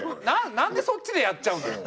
なんでそっちでやっちゃうのよ。